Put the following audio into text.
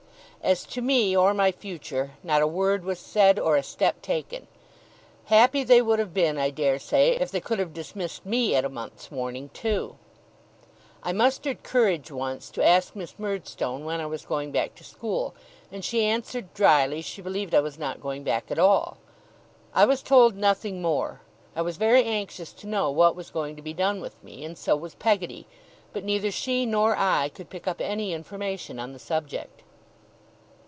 As to me or my future, not a word was said, or a step taken. Happy they would have been, I dare say, if they could have dismissed me at a month's warning too. I mustered courage once, to ask Miss Murdstone when I was going back to school; and she answered dryly, she believed I was not going back at all. I was told nothing more. I was very anxious to know what was going to be done with me, and so was Peggotty; but neither she nor I could pick up any information on the subject.